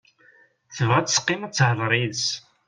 Tebɣa ad teqqim ad tehder yid-s.